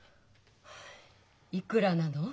いくらなの？